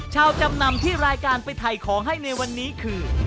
จำนำที่รายการไปถ่ายของให้ในวันนี้คือ